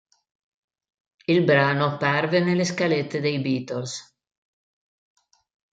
Il brano apparve nelle scalette dei Beatles.